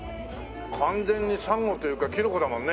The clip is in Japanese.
完全にサンゴというかキノコだもんね。